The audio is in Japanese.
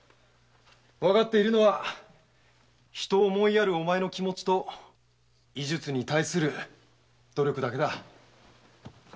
わかっているのは人を思いやるお前の気持ちと医術に対する努力だけだ。